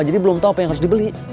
jadi belum tau apa yang harus dibeli